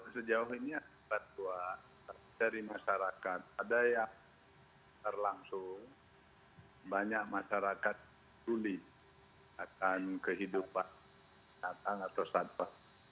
sejauh ini pak tua dari masyarakat ada yang terlangsung banyak masyarakat sulit akan kehidupan binatang atau satwa